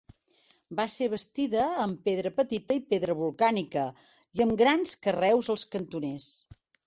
Va ser bastida amb pedra petita i pedra volcànica, i amb grans carreus als cantoners.